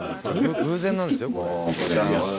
偶然なんですよこれ。